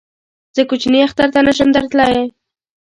زه کوچني اختر ته نه شم در تللی